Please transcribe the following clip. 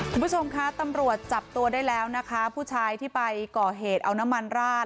คุณผู้ชมคะตำรวจจับตัวได้แล้วนะคะผู้ชายที่ไปก่อเหตุเอาน้ำมันราด